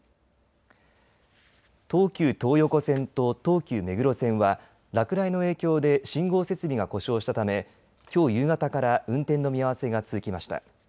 東急東横線と東急目黒線は落雷の影響で信号設備が故障したためきょう夕方から運転の見合わせが続きました。